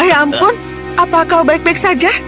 ya ampun apa kau baik baik saja